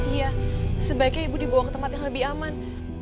iya sebaiknya ibu dibawa ke tempat yang lebih aman